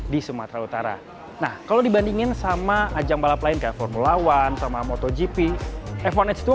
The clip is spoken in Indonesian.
di sumatera utara nah kalau dibandingin sama ajang balap lain kayak formula one sama motogp f satu h dua